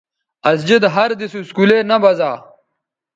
اسجد ہر دِس اسکولے نہ بزا